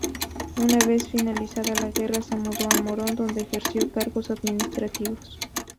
Una vez finalizada la guerra se mudó a Morón, donde ejerció cargos administrativos.